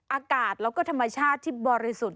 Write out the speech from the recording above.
อากาศแล้วก็ธรรมชาติที่บริสุทธิ์